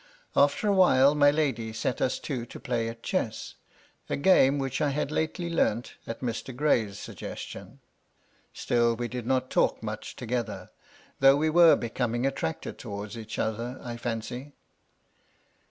After a while, my lady set us two to play at chess, a game which I had lately learnt at Mr. Gray's suggestion. Still we did not talk much together. MY LADY LUDLOW. 325 though we were becoming attracted towards each other, I fancy.